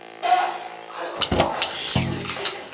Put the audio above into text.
彼は怖くて必死に打ち消してるんだ。